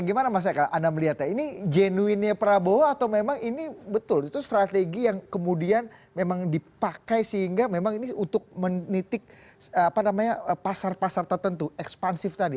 gimana mas eka anda melihatnya ini genuinnya prabowo atau memang ini betul itu strategi yang kemudian memang dipakai sehingga memang ini untuk menitik pasar pasar tertentu ekspansif tadi